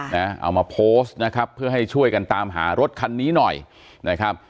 เอามาโพสต์นะครับเพื่อให้ช่วยกันตามหารถคันนี้หน่อยนะครับ